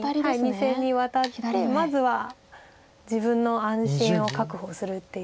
２線にワタってまずは自分の安心を確保するっていう。